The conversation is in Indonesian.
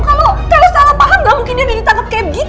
kalau salah paham gak mungkin dia nangis tangkap kayak gitu